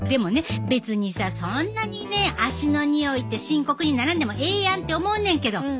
足のにおいって深刻にならんでもええやんって思うねんけど